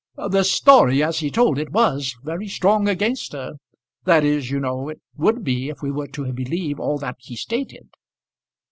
"The story, as he told it, was very strong against her; that is, you know, it would be if we were to believe all that he stated."